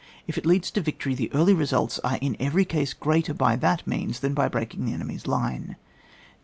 If it leads to victory, the early results are in every case greater by that means than by breaking the 'enemy's line.